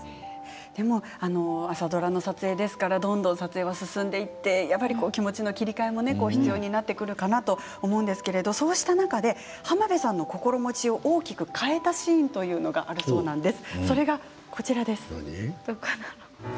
でも朝ドラの撮影ですからどんどん撮影は進んでいってやはり気持ちの切り替えは必要になってくるかなと思うんですけど、そうした中で浜辺さんの心持ちを大きく変えたシーンというのがあるそうです。